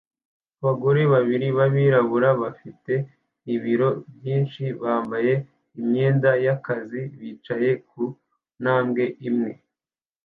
Abagore babiri b'abirabura bafite ibiro byinshi bambaye imyenda y'akazi bicaye ku ntambwe zimwe